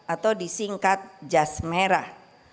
atau disingkat jas merah